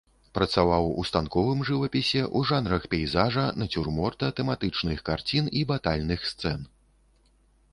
Працаваў у станковым жывапісе, у жанрах пейзажа, нацюрморта, тэматычных карцін і батальных сцэн.